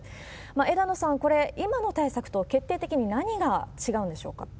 枝野さん、これ、今の対策と決定的に何が違うんでしょうか？